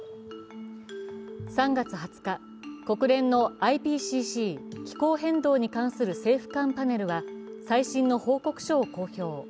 ３月２０日、国連のＩＰＣＣ＝気候変動に関する政府間パネルは最新の報告書を公表。